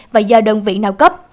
và do đơn vị nào cấp